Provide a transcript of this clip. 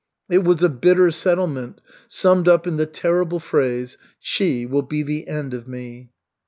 It was a bitter settlement, summed up in the terrible phrase: "She will be the end of me."